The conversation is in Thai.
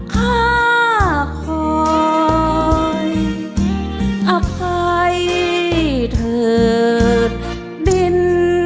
ข้าข่อยอาคายเถิดดิน